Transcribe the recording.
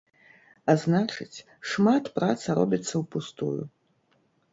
А значыць, шмат праца робіцца ўпустую.